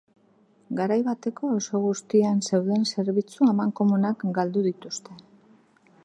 Garai bateko auzo guztian zeuden zerbitzu amankomunak galdu dituzte.